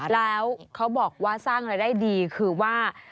แล้วเขาบอกว่าสร้างรายได้ดีคือว่า